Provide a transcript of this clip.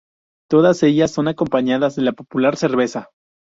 Todas ellas son acompañadas de la popular cerveza.